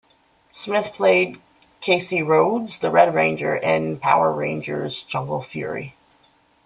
Smith played Casey Rhodes, the Red Ranger, in "Power Rangers Jungle Fury".